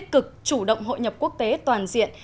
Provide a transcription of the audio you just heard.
chủ động hội nhập quốc tế toàn diện